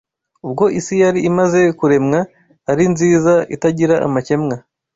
Ubwo isi yari imaze kuremwa, ari nziza itagira amakemwa